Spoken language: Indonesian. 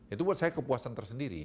itu buat saya kepuasan tersendiri